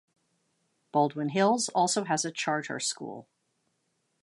Baldwin Hills also has a charter school.